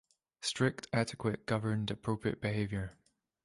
Strict etiquette governed appropriate behavior.